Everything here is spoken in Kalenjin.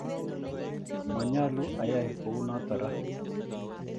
Manyalu ayai ko u notok ra.